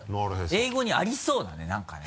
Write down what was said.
英語にありそうだね何かね。